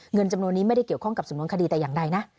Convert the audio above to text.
เงินจำนวนนี้ไม่ได้เกี่ยวข้องกับสำนวนคดีแต่อย่างใดนะ